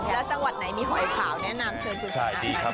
แล้วจังหวัดไหนมีหอยขาวแนะนำเชิญสุดท้ายมากนะครับ